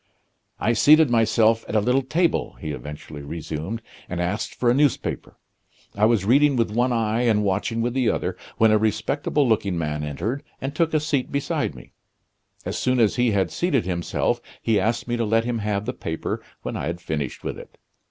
"I seated myself at a little table," he eventually resumed, "and asked for a newspaper. I was reading with one eye and watching with the other, when a respectable looking man entered, and took a seat beside me. As soon as he had seated himself he asked me to let him have the paper when I had finished with it.